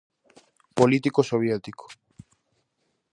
Político soviético.